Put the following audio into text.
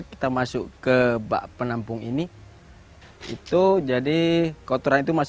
tempat pembangunan akhirnya